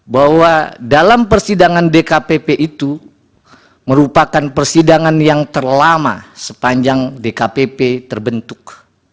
bahwa dalam persidangan dkpp itu merupakan persidangan yang terlama sepanjang dkpp terbentuk